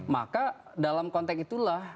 maka dalam konteks itulah